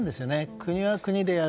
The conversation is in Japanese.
国は国でやる。